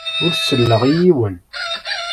Ur selleɣ i yiwen.